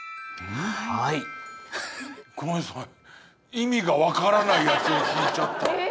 意味が分からないやつを引いちゃった。